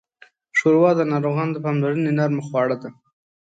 ښوروا د ناروغانو د پاملرنې نرمه خواړه ده.